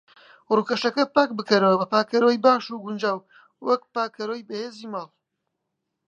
ڕوکەشەکەی پاک بکەرەوە بە پاکەرەوەی باش و گونجاو، وەک پاکەرەوەی بەهێزی ماڵی.